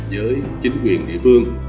với chính quyền địa phương